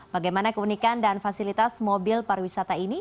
bagaimana keunikan dan fasilitas mobil pariwisata ini